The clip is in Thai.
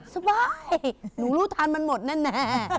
สบายหนูรู้ทันมันหมดแน่